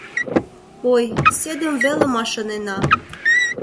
Ой, седым веле мӓ шанена...